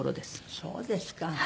そうですか。